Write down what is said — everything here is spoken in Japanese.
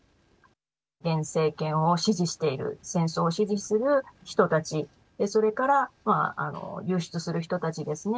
現政権を支持している戦争を支持する人たちそれから流出する人たちですね